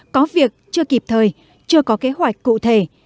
có việc chưa kịp thời chưa có kế hoạch cụ thể